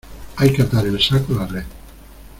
hay que atar el saco a la red.